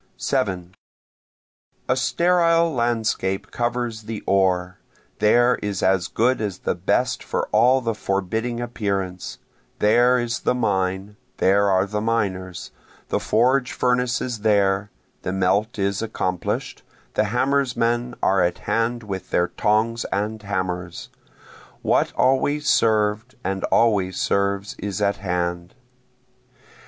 7 A sterile landscape covers the ore, there is as good as the best for all the forbidding appearance, There is the mine, there are the miners, The forge furnace is there, the melt is accomplish'd, the hammersmen are at hand with their tongs and hammers, What always served and always serves is at hand.